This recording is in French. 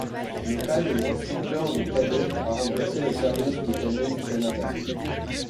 Le Cadre des Instructeurs de Cadets a remplacé le Service des Cadets du Canada.